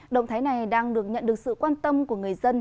động thái này đang được nhận được sự quan tâm của người dân